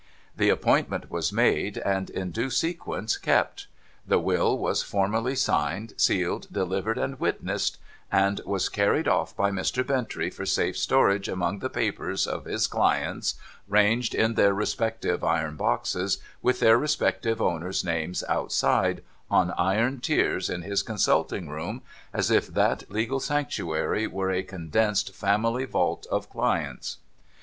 The appointment was made, and in due sequence kept. The will was formally signed, sealed, delivered, and witnessed, and was THE OBENREIZER DINNER 509 carried off by Mr. Bintrey for safe storage among the papers of his clients, ranged in their respective iron boxes, with their respective owners' names outside, on iron tiers in his consulting room, as if that legal sanctuary were a condensed Family Vault of Clients.